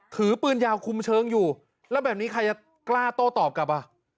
ถือปืนยาวคุมเชิงอยู่แล้วแบบนี้ใครจะกล้าโต้ตอบกลับอ่ะ